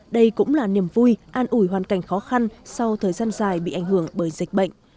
đây cũng là niềm vui an ủi hoàn cảnh khó khăn sau thời gian dài bị ảnh hưởng bởi dịch bệnh